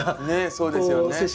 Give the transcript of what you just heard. ねっそうですよね。